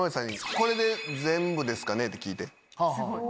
これで全部ですかね？って聞いて。